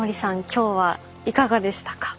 今日はいかがでしたか？